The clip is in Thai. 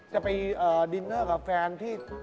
จะไปดินเนอร์กับแฟนที่